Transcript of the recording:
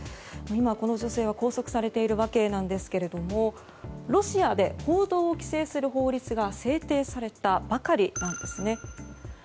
今この女性は拘束されているわけですがロシアで報道を規制する法律が制定されたばかりなんですね。